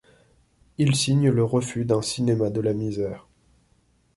Il signe le refus d'un cinéma de la misère.